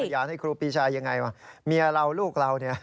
อยากให้ครูปีชายังไงวะเมียเราลูกเราเนี่ย